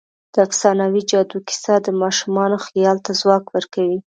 د افسانوي جادو کیسه د ماشومانو خیال ته ځواک ورکوي.